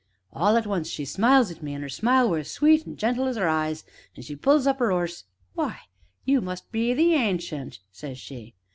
All at once she smiles at me, an' 'er smile were as sweet an' gentle as 'er eyes; an' she pulls up 'er 'orse. 'W'y, you must be the Ancient!' says she.